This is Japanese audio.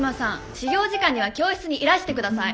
始業時間には教室にいらしてください。